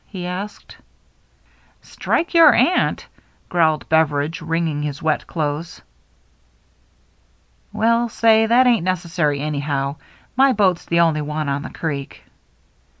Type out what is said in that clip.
" he asked. " Strike your aunt !" growled Beveridge, wringing his wet clothes. " Well, say, that ain't necessary anyhow. My boat's the only one on the creek."